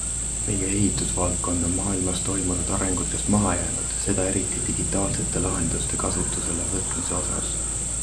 Meie ehitusvaldkond on maailmas toimunud arengutest maha jäänud, seda eriti digitaalsete lahenduste kasutusele võtmise osas.